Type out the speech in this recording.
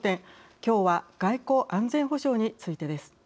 きょうは外交・安全保障についてです。